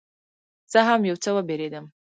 زه هم یو څه وبېرېدم.